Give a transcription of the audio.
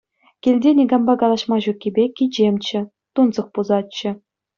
Килте никампа калаҫма ҫуккипе кичемччӗ, тунсӑх пусатчӗ.